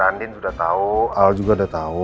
andin udah tahu al juga udah tahu